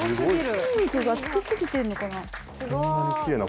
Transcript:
筋肉がつきすぎてるのかな？